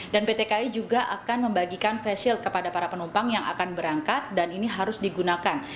dan pt kai juga akan membagikan face shield kepada para penumpang yang akan berangkat dan ini harus digunakan